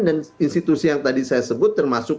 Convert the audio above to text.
dan institusi yang tadi saya sebut